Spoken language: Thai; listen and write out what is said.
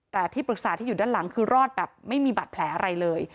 แต่ที่ปรึกษาที่อยู่ด้านหลังคือรอดแบบไม่มีบาดแผลอะไรเลย